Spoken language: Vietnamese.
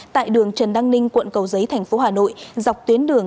tại đường trần đăng ninh quận cầu giấy thành phố hà nội dọc tuyến đường